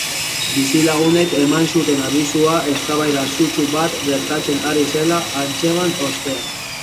Bizilagunek eman zuten abisua, eztabaida sutsu bat gertatzen ari zela antzeman ostean.